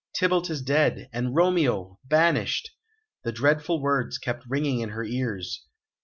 "Tybalt is dead, and Romeo banished!" The dreadful words kept ringing in her ears.